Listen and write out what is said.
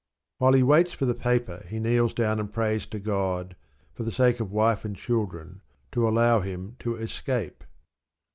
While he waits for the paper he kneels down and prays to God, for the sake of wife and children, to allow him to escape.